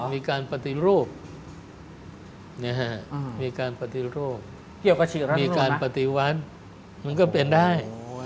มีการปฏิรูปมีการปฏิวันมันก็เป็นได้